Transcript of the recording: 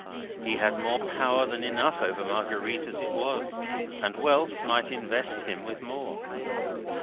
He had more power than enough over Marguerite as it was, and wealth might invest him with more.